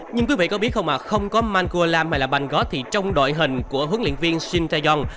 nhưng quý vị có biết không à không có mangkualam hay là banggot thì trong đội hình của huấn luyện viên shin taeyong